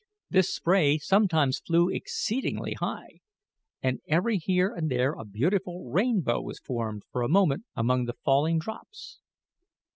This spray sometimes flew exceedingly high, and every here and there a beautiful rainbow was formed for a moment among the falling drops.